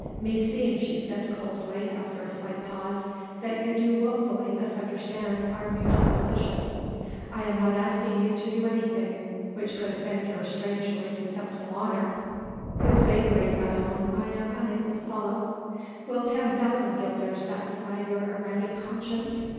"Meseems," she said coldly after a slight pause, "that you do wilfully misunderstand our mutual positions. I am not asking you to do anything which could offend your strangely susceptible honour, whose vagaries, I own, I am unable to follow. Will 10,000 guilders satisfy your erratic conscience?